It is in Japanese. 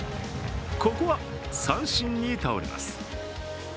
ここは三振に倒れます。